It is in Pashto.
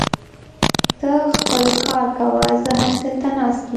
ته خپل کار کوه، زه همدلته ناست يم.